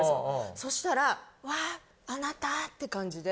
そしたら「わあなた」って感じで。